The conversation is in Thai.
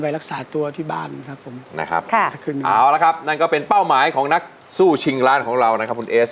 รักษาตัวที่บ้านครับผมนะครับค่ะเอาละครับนั่นก็เป็นเป้าหมายของนักสู้ชิงร้านของเรานะครับคุณเอส